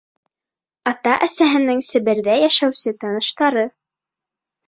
Ата-әсәһенең Себерҙә йәшәүсе таныштары.